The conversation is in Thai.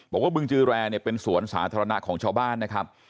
บอกว่าบึงจือแลเป็นสวนสาธารณะของชาวบ้านนะครับ